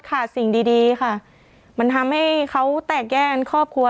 ค่ะสิ่งดีดีค่ะมันทำให้เขาแตกแยกกันครอบครัว